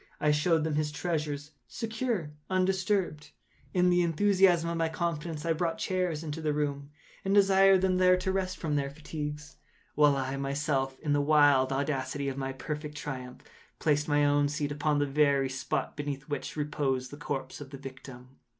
I showed them his treasures, secure, undisturbed. In the enthusiasm of my confidence, I brought chairs into the room, and desired them here to rest from their fatigues, while I myself, in the wild audacity of my perfect triumph, placed my own seat upon the very spot beneath which reposed the corpse of the victim.